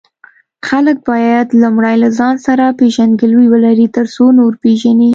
خلک باید لومړی له ځان سره پیژندګلوي ولري، ترڅو نور پیژني.